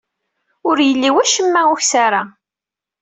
Ur yelli wacemma ukessar-a.